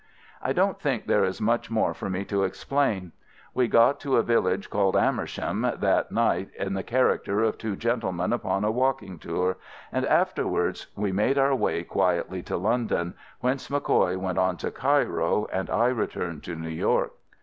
"I don't think there is much more for me to explain. We got to a village called Amersham that night in the character of two gentlemen upon a walking tour, and afterwards we made our way quietly to London, whence MacCoy went on to Cairo and I returned to New York.